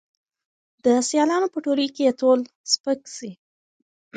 د سیالانو په ټولۍ کي یې تول سپک سي